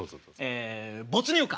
え没入感。